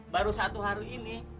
baru satu hari ini